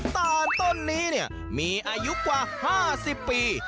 ตานต้นนี้มีอายุกว่า๕๐ปี